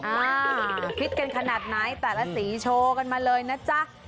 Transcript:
ฮิตกันขนาดไหนแต่ละสีโชว์กันมาเลยนะจ๊ะ